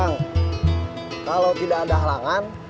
nah kalau tidak ada halangan